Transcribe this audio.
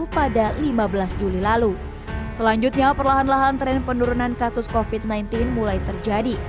lima puluh enam ribu tujuh ratus enam puluh tujuh pada lima belas juli lalu selanjutnya perlahan lahan tren penurunan kasus kofit sembilan belas mulai terjadi